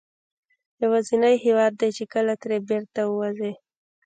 یوازینی هېواد دی چې کله ترې بېرته وځې.